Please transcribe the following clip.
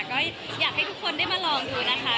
ก็อยากให้ทุกคนได้มาลองดูนะคะ